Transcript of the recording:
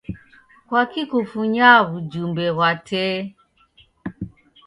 Kwaki kufunyaa w'ujumbe ghwa tee?